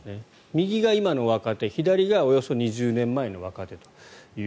右が今の若手左がおよそ２０年前の若手と。